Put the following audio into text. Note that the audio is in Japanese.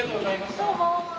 どうも。